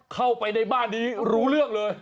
เข้าไปในบ้านนี้รู้เรื่องเลย